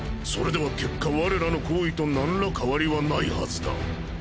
それでは結果我らの行為となんら変わりはないはずだ。